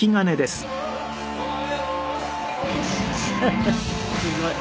すごい。